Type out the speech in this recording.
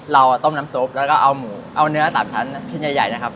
เราต้มน้ำซุปแล้วก็เอาหมูเอาเนื้อสามชั้นชิ้นใหญ่นะครับ